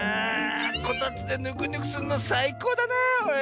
こたつでぬくぬくするのさいこうだなおい。